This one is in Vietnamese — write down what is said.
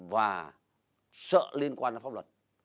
và sợ liên quan đến pháp luật